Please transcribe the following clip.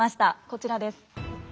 こちらです。